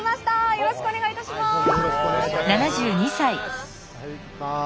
よろしくお願いします。